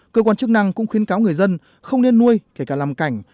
cơ quan chức năng cũng khuyến cáo người dân không nên nuôi kể cả làm cảnh